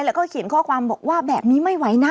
แล้วก็เขียนข้อความบอกว่าแบบนี้ไม่ไหวนะ